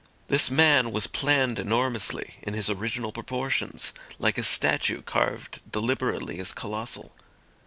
This man was planned enormously in his original proportions, like a statue carved deliberately as colossal.